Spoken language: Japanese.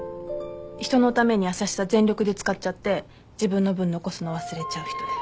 人のために優しさ全力で使っちゃって自分の分残すの忘れちゃう人で。